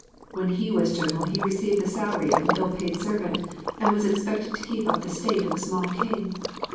When he was general he received the salary of an ill paid servant and was expected to keep up the state of a small king.